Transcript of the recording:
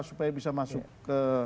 supaya bisa masuk ke